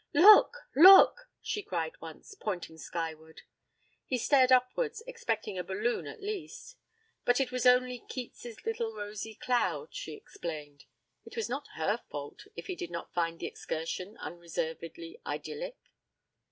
'Look, look!' she cried once, pointing skyward. He stared upwards, expecting a balloon at least. But it was only 'Keats' little rosy cloud', she explained. It was not her fault if he did not find the excursion unreservedly idyllic.